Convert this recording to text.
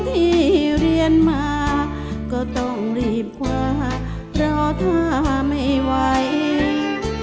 ที่เรียนมาก็ต้องรีบคว้าเพราะถ้าไม่ไหว